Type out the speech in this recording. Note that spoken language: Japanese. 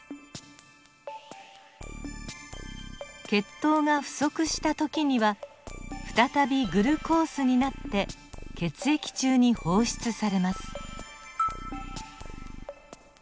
血糖が不足した時には再びグルコースになって血液中に放出されます。